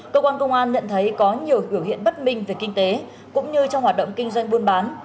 cơ quan công an nhận thấy có nhiều biểu hiện bất minh về kinh tế cũng như trong hoạt động kinh doanh buôn bán